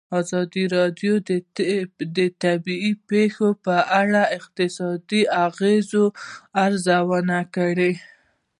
ازادي راډیو د طبیعي پېښې په اړه د اقتصادي اغېزو ارزونه کړې.